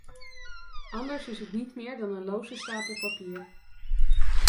Anders is het niet meer dan een loze stapel papier.